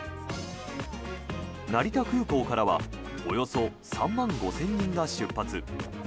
成田空港からはおよそ３万５０００人が出発。